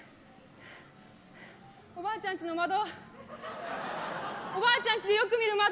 おばあちゃんちの窓おばあちゃんちでよく見る窓。